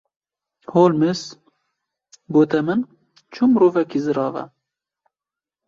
Holmes, gote min: Çi mirovekî zirav e.